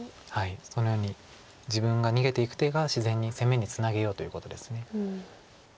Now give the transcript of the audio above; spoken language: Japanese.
そのように自分が逃げていく手が自然に攻めにつなげようということです。